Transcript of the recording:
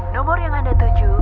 nomor yang anda tuju